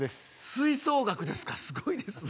吹奏楽ですかすごいですね